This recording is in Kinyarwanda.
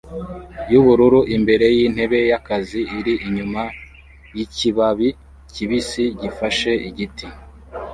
yubururu imbere yintebe yakazi iri inyuma yikibabi kibisi gifashe igiti